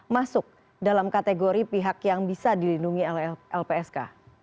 masuk dalam kategori pihak yang bisa dilindungi oleh lpsk